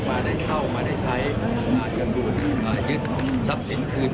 มาได้เช่ามาได้ใช้มายังดูยึดทรัพย์สินคืน